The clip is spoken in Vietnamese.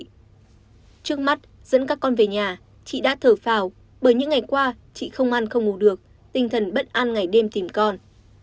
trước mắt dẫn các con về nhà chị đã thở phào bởi những ngày qua chị không ăn không ngủ được tinh thần bất an ngày đêm tìm con